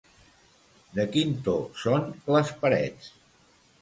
De quin to són les parets?